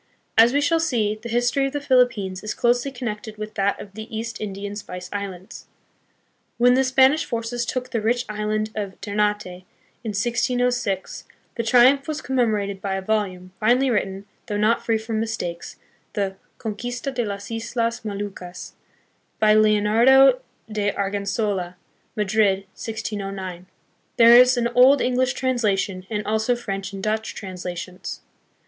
As we shall see, the history of the Philippines is closely connected with that of the East Indian Spice Islands. When the Spanish forces took the rich island of Ternate in 1606, the triumph was commemorated by a volume, finely written, though not free from mistakes, the Con quista de las Islas Moluccas, by Leonardo de Argensola, Madrid, 1609. There is an old English translation, and also French and Dutch translations.